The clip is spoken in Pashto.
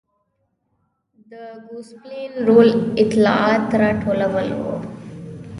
د ګوسپلین رول اطلاعات راټولول و.